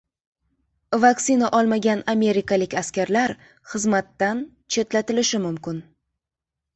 Vaksina olmagan amerikalik askarlar xizmatdan chetlatilishi mumkin